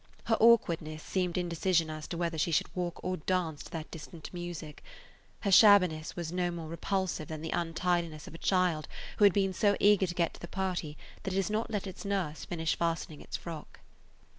Her awkwardness seemed indecision as to whether she should [Page 127] walk or dance to that distant music; her shabbiness was no more repulsive than the untidiness of a child who had been so eager to get to the party that it has not let its nurse finish fastening its frock.